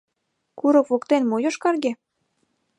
«Курык воктен мо йошкарге?